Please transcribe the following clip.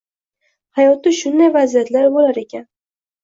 Hayotda shunday vaziyatlar boʻlar ekan.